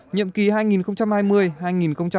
nhiệm kỳ hai nghìn hai mươi hai nghìn hai mươi năm